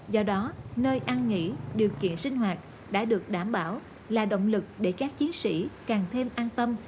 do đó nơi an nghỉ điều kiện sinh hoạt đã được đảm bảo là động lực để các chiến sĩ càng thêm an tâm